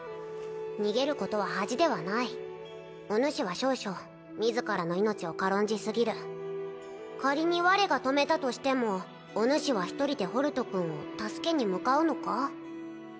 逃げることは恥ではないおぬしは少々自らの命を軽んじすぎる仮に我が止めたとしてもおぬしは１人でホルト君を助けに向かうのか？